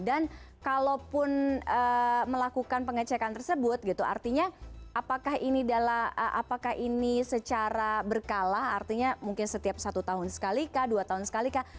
dan kalaupun melakukan pengecekan tersebut gitu artinya apakah ini secara berkala artinya mungkin setiap satu tahun sekali kah dua tahun sekali kah